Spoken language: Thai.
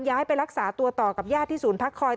ย้ายไปรักษาตัวต่อกับญาติที่ศูนย์พักคอย